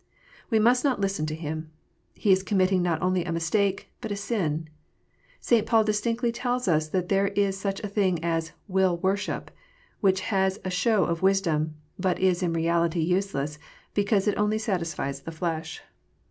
We must not listen to him. He is committing not only a mistake, but a sin. St. Paul distinctly tells us that there is such a thing as "will worship," which has a "show of wisdom," but is in reality useless, because it only "satisfies the flesh."